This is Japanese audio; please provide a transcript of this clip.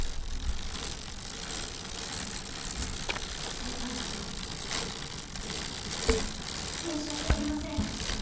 裁判長申し訳ありません